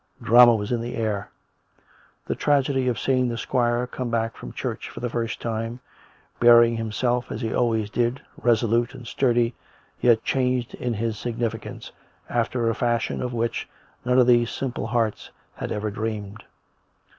Drama was in the air — the tragedy of seeing the squire come back from church for the first time, bear ing himself as he always did, resolute and sturdy, yet changed in his significance after a fashion of which none of these simple hearts had ever dreamed.